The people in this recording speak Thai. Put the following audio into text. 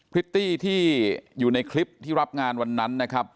พริตตี้ที่อยู่ในคลิปที่รับงานวันนั้นนะครับ